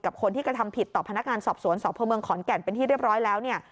คนที่กระทำผิดต่อพนักงานสอบสวนสพเมืองขอนแก่นเป็นที่เรียบร้อยแล้วเนี่ย